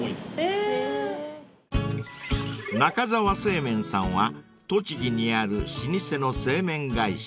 ［中沢製麺さんは栃木にある老舗の製麺会社］